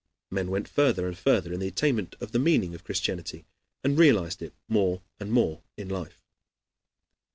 Men went further and further in the attainment of the meaning of Christianity, and realized it more and more in life.